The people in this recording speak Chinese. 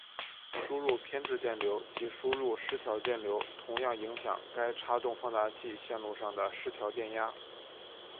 输入偏置电流及输入失调电流同样影响该差动放大器线路上的失调电压。